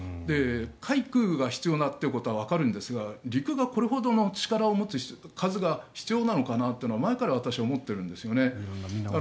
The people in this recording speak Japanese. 海空が必要だということはわかるんですが陸がこれほどの力を持つこと数が必要なのかなというのは前から私は思っているんです。